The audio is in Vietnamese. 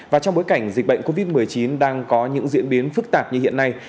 và trong bối cảnh dịch bệnh covid một mươi chín đang có những diễn biến phức tạp như hiện nay